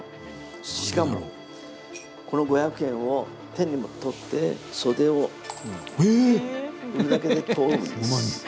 しかもこの５００円を手に取って袖を振るだけで通るんです。